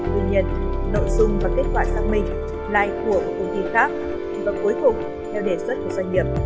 tuy nhiên nội dung và kết quả xác minh lai của một công ty khác thì và cuối cùng theo đề xuất của doanh nghiệp